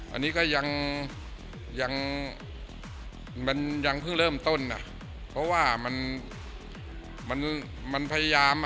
อันนี้ก็ยังมันยังเพิ่งเริ่มต้นอ่ะเพราะว่ามันมันพยายามอ่ะ